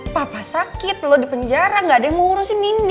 papa sakit lo di penjara gak ada yang mau ngurusin ini